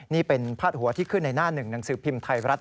นี่เป็นพาดหัวที่ขึ้นในหน้าหนึ่งหนังสือพิมพ์ไทยรัฐ